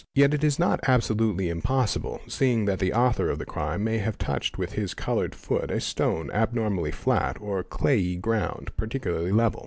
Yet it is not absolutely impossible, seeing that the author of the crime may have touched with his coloured "foot a stone abnormally flat or clayey ground particularly level.